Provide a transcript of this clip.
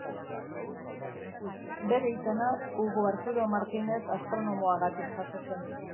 Bere izena Hugo Arturo Martinez astronomoagatik jasotzen du.